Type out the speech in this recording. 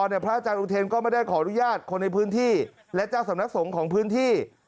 พระอาจารย์อุเทนก็ไม่ได้ขออนุญาตคนในพื้นที่และเจ้าสำนักสงฆ์ของพื้นที่